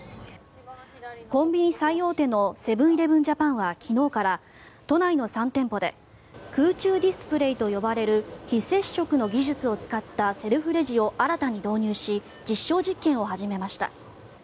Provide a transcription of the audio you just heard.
コンビニ最大手のセブン−イレブン・ジャパンは昨日から都内の３店舗で空中ディスプレーと呼ばれる非接触の技術を使ったセルフレジを新たに導入し実証実験を始めました。